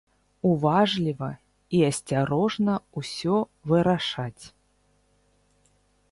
Уважліва і асцярожна ўсё вырашаць.